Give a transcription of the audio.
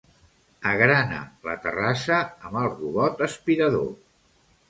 Agrana la terrassa amb el robot aspirador.